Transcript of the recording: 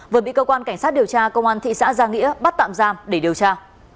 vừa bị cơ quan cảnh sát điều tra công an thị xã gia nghĩa bắt tạm giam để điều tra